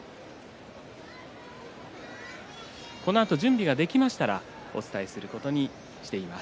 このあと準備ができましたらお伝えすることにしています。